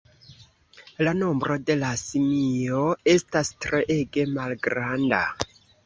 La nombro de la simio estas treege malgranda.